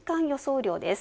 雨量です。